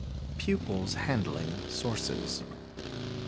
Pupils Handling Sources.